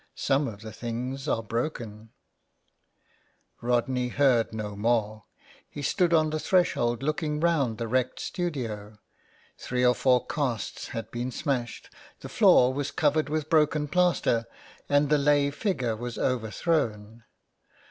Some of the things are broken." I* IN THE CLAY. Rodney heard no more. He stood on the threshold looking round the wrecked studio. Three or four casts had been smashed, the floor was covered with broken plaster, and the lay figure was overthrown.